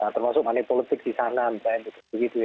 termasuk manipolitik di sana misalnya gitu